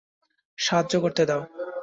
সাহায্য করতে দাও।